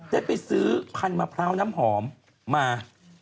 ได้ไปซื้อพันธมะพร้าวน้ำหอมมา